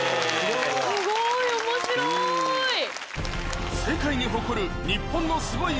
すごい面白い。